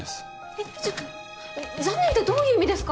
えっちょっと残念ってどういう意味ですか？